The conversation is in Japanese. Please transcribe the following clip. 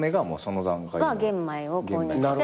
玄米を購入して。